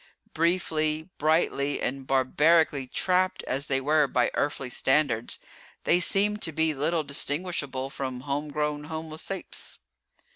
Briefly, brightly and barbarically trapped as they were by earthly standards, they seemed to be little distinguishable from homegrown homo saps.